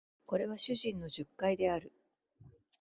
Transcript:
これは主人の述懐である